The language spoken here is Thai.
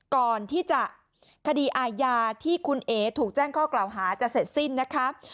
ก่อนที่จะคดีอาญาที่คุณเอ๋ถูกแจ้งข้อกล่าวหาจะเสร็จสิ้นนะคะ